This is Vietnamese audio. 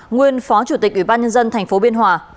nguyên phó chủ tịch ủy ban nhân dân tp biên hòa